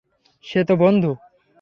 সে তো বন্ধু।